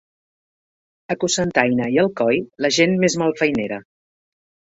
A Cocentaina i Alcoi, la gent més malfeinera.